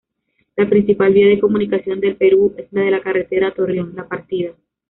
La principal vía de comunicación de El Perú es de la Carretera Torreón-La Partida.